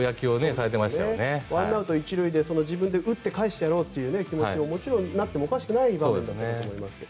１アウト１塁で自分で打ってかえしてやろうという気持ちにもちろんなってもおかしくない場面だと思いますが。